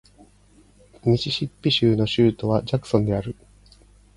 ミシシッピ州の州都はジャクソンである